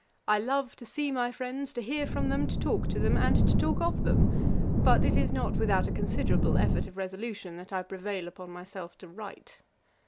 I love to see my friends, to hear from them, to talk to them, and to talk of them; but it is not without a considerable effort of resolution that I prevail upon myself to write.